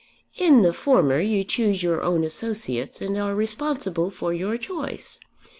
In the former you choose your own associates and are responsible for your choice.